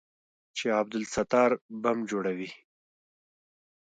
چې عبدالستار بم جوړوي.